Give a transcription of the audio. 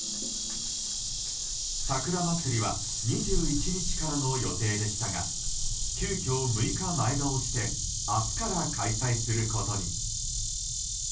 さくらまつりは２１日からの予定でしたが急きょ、６日前倒して明日から開催することに。